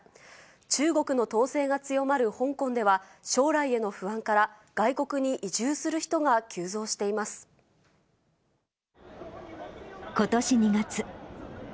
中国の統制が強まる香港では、将来への不安から、外国に移住すことし２月。